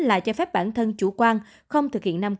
là cho phép bản thân chủ quan không thực hiện năng lực